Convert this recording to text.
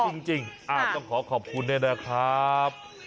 เก่งจริงต้องขอขอบคุณนะครับ